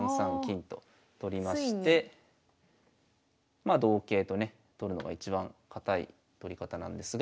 まあ同桂とね取るのが一番堅い取り方なんですが。